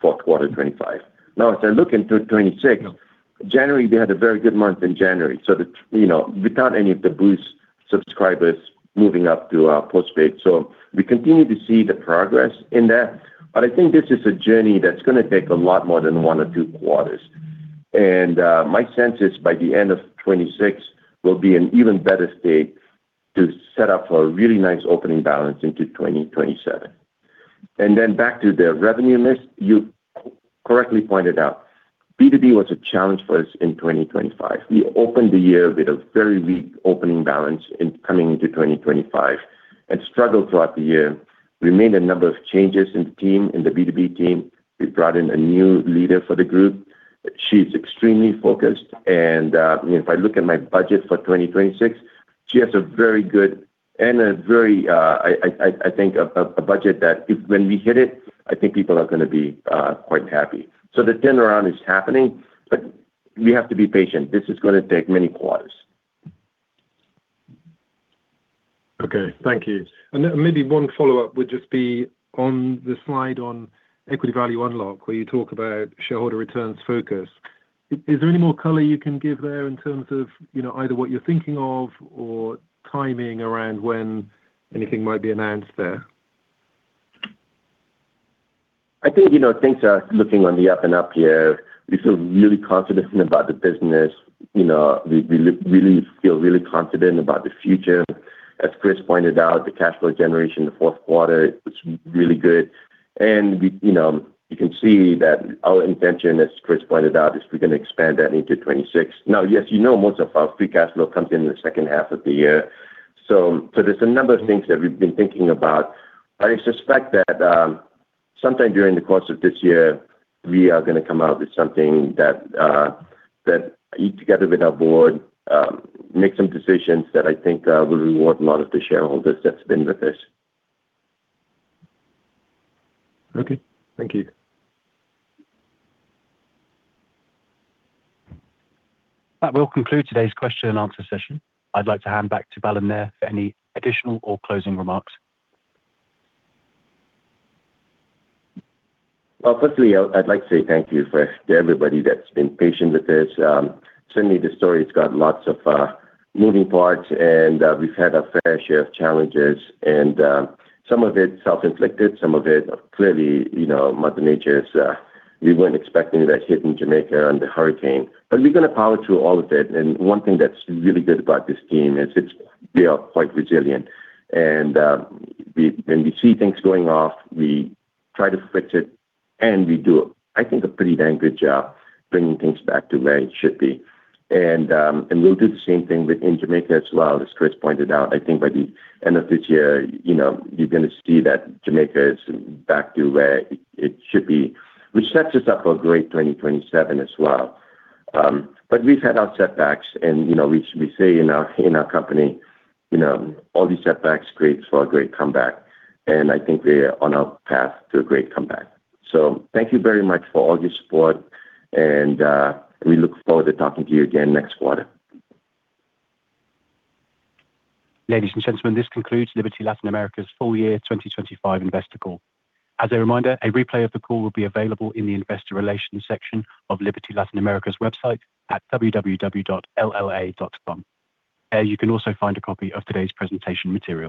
fourth quarter 2025. Now, as I look into 2026, January, we had a very good month in January, so the, you know, without any of the Boost subscribers moving up to postpaid. So we continue to see the progress in that, but I think this is a journey that's gonna take a lot more than one or two quarters. And my sense is by the end of 2026, we'll be in even better state to set up for a really nice opening balance into 2027. And then back to the revenue mix, you correctly pointed out, B2B was a challenge for us in 2025. We opened the year with a very weak opening balance in coming into 2025 and struggled throughout the year. We made a number of changes in the team, in the B2B team. We've brought in a new leader for the group. She's extremely focused and, if I look at my budget for 2026, she has a very good and a very, I think a budget that, when we hit it, I think people are gonna be, quite happy. So the turnaround is happening, but we have to be patient. This is gonna take many quarters. Okay, thank you. Then maybe one follow-up would just be on the slide on equity value unlock, where you talk about shareholder returns focus. Is there any more color you can give there in terms of, you know, either what you're thinking of or timing around when anything might be announced there? I think, you know, things are looking on the up and up here. We feel really confident about the business. You know, we, we really feel really confident about the future. As Chris pointed out, the cash flow generation in the fourth quarter was really good. And we, you know, you can see that our intention, as Chris pointed out, is we're gonna expand that into 2026. Now, yes, you know, most of our free cash flow comes in the second half of the year. So, so there's a number of things that we've been thinking about. I suspect that, sometime during the course of this year, we are gonna come out with something that, that together with our board, make some decisions that I think, will reward a lot of the shareholders that's been with us. Okay, thank you. That will conclude today's question and answer session. I'd like to hand back to Balan Nair for any additional or closing remarks. Well, firstly, I'd like to say thank you to everybody that's been patient with this. Certainly the story's got lots of moving parts, and we've had our fair share of challenges, and some of it self-inflicted, some of it clearly, you know, Mother Nature's. We weren't expecting that hit in Jamaica and the hurricane. But we're gonna power through all of it, and one thing that's really good about this team is it's, they are quite resilient. And we, when we see things going off, we try to fix it, and we do, I think, a pretty dang good job bringing things back to where it should be. And we'll do the same thing within Jamaica as well. As Chris pointed out, I think by the end of this year, you know, you're gonna see that Jamaica is back to where it, it should be, which sets us up for a great 2027 as well. But we've had our setbacks and, you know, we, we say in our, in our company, you know, all these setbacks creates for a great comeback, and I think we are on our path to a great comeback. So thank you very much for all your support, and we look forward to talking to you again next quarter. Ladies and gentlemen, this concludes Liberty Latin America's full year 2025 investor call. As a reminder, a replay of the call will be available in the investor relations section of Liberty Latin America's website at www.lla.com. There you can also find a copy of today's presentation material.